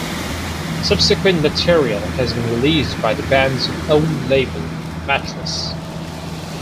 Subsequent material has been released by the band's own label, Mattress.